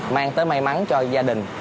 mang tới may mắn cho gia đình